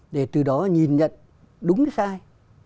để từ đó nhìn nhận đúng hay sai